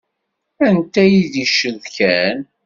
Anta i d-yecetkan?